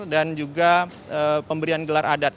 dan juga pemberian gelar adat